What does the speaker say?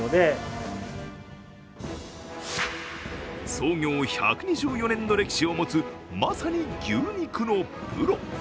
創業１２４年の歴史を持つ、まさに牛肉のプロ。